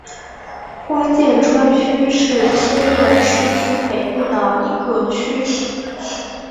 花见川区是千叶市西北部的一个区。